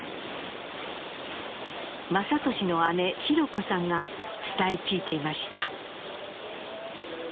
雅俊の姉・弘子さんが伝え聞いていました。